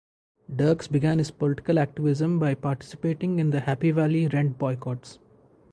Dirks began his political activism by participating in the Happy Valley rent boycotts.